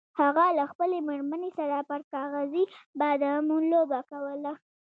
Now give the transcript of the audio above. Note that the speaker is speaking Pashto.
هغه له خپلې میرمنې سره پر کاغذي بادامو لوبه کوله.